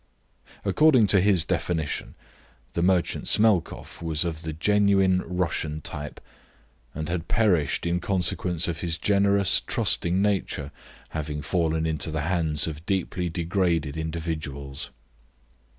According to his definition, the merchant Smelkoff was of the genuine Russian type, and had perished in consequence of his generous, trusting nature, having fallen into the hands of deeply degraded individuals.